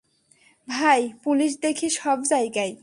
ভাই, পুলিশ দেখি সবজায়গায়।